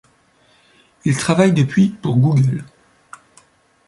Il travaille depuis pour Google.